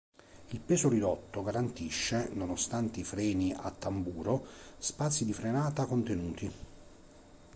Il peso ridotto garantisce, nonostante i freni a tamburo, spazi di frenata contenuti.